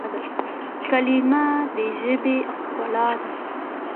کلیمه د ژبي ښکلا ده.